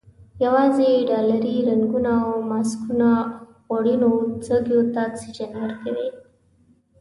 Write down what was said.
یوازې ډالري رنګونه او ماسکونه خوړینو سږیو ته اکسیجن ورکوي.